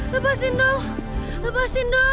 lepasin dong lepasin dong